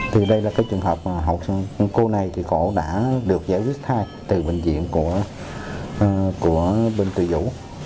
thì đây là cái trường hợp mà cô này thì cô đã được giải quyết thai từ bệnh viện của bên từ vũ